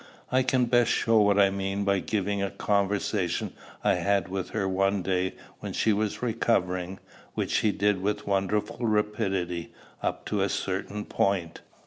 I can best show what I mean by giving a conversation I had with her one day when she was recovering, which she did with wonderful rapidity up to a certain point.